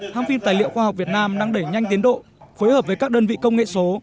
hàng phim tài liệu khoa học việt nam đang đẩy nhanh tiến độ phối hợp với các đơn vị công nghệ số